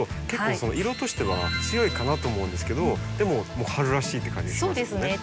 結構色としては強いかなと思うんですけどでももう春らしいって感じがしますね。